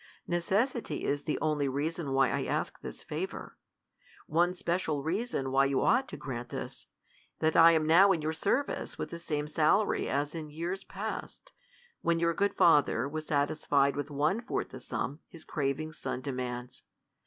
Necessity is the only reason why \ I ask this favour. One special reason why you ought to grant it is, that I am now in your service with the same salary as in y^ars past ; when your good father was satisfied with one fourth the sum his craving son de* mands.